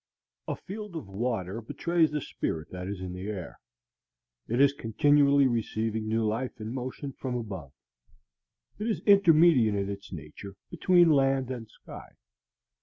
A field of water betrays the spirit that is in the air. It is continually receiving new life and motion from above. It is intermediate in its nature between land and sky.